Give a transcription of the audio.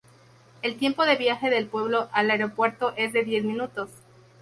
El tiempo de viaje del pueblo al aeropuerto es de diez minutos.